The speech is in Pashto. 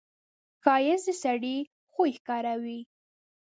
ښایست د سړي خوی ښکاروي